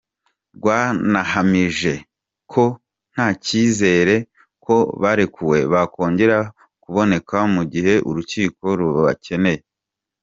Rwanahamije ko nta cyizere ko barekuwe bakongera kuboneka mu gihe urukiko rubakeneye.